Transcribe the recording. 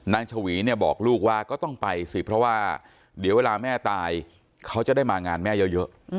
ชวีเนี่ยบอกลูกว่าก็ต้องไปสิเพราะว่าเดี๋ยวเวลาแม่ตายเขาจะได้มางานแม่เยอะ